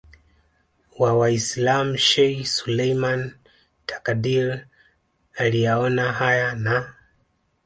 wa Waislam Sheikh Suleiman Takadir aliyaona haya na